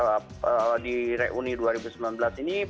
pak prabowo tidak bisa hadir